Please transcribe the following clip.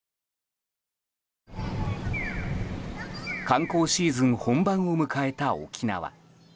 観光シーズン本番を迎えた沖縄。